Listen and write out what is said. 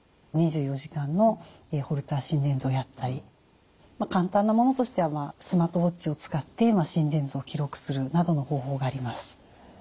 ２４時間のホルター心電図をやったり簡単なものとしてはスマートウォッチを使って心電図を記録するなどの方法があります。